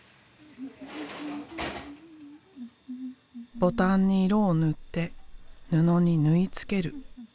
ボタンに色を塗って布に縫い付ける。